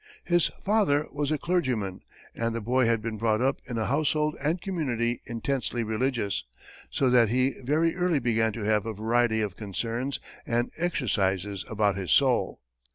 His father was a clergyman, and the boy had been brought up in a household and community intensely religious, so that he very early began to have "a variety of concerns and exercises about his soul."